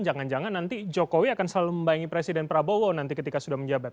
jangan jangan nanti jokowi akan selalu membayangi presiden prabowo nanti ketika sudah menjabat